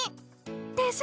でしょ！